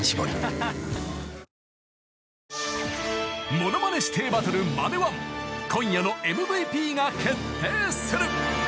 ［『ものまね師弟バトルＭＡＮＥ−１』今夜のＭＶＰが決定する！］